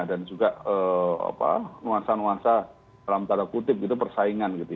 dan juga nuansa nuansa dalam tanda kutip gitu persaingan gitu